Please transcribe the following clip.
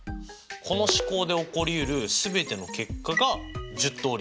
この試行で起こりうるすべての結果が１０通り。